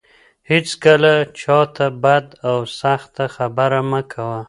هيڅکله چا ته بده او سخته خبره مه کوه.